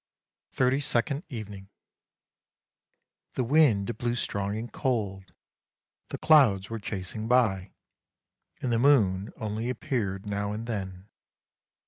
THIRTY SECOND EVENING The wind blew strong and cold, the clouds were chasing by, and the moon only appeared now and then.